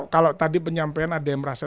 kalau tadi penyampaian ada yang merasa